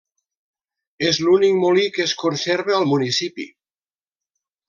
És l'únic molí que es conserva al municipi.